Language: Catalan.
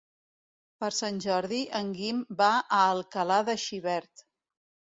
Per Sant Jordi en Guim va a Alcalà de Xivert.